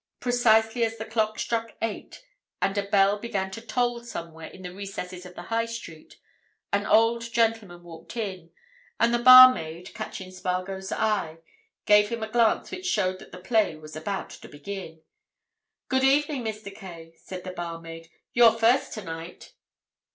Precisely as the clock struck eight and a bell began to toll somewhere in the recesses of the High Street, an old gentleman walked in, and the barmaid, catching Spargo's eye, gave him a glance which showed that the play was about to begin. "Good evening, Mr. Kaye," said the barmaid. "You're first tonight."